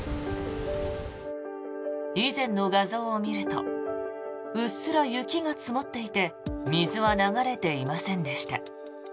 以前の画像を見るとうっすら雪が積もっていて水は流れていませんでした。